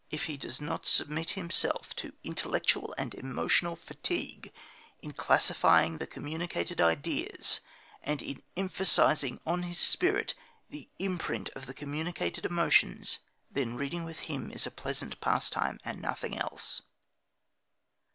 If he does not submit himself to intellectual and emotional fatigue in classifying the communicated ideas, and in emphasising on his spirit the imprint of the communicated emotions then reading with him is a pleasant pastime and nothing else.